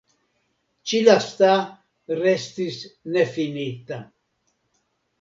Ĉi lasta restis nefinita.